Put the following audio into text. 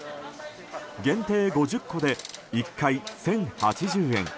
限定５０個で１回１０８０円。